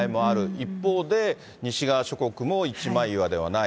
一方で、西側諸国も一枚岩ではない。